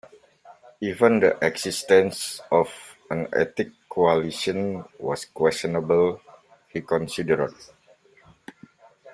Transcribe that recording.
Even the existence of an ethnic coalition was questionable, he considered.